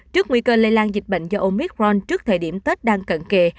trước nguy cơ lây lan dịch bệnh do omicron trước thời điểm tết đang cận kề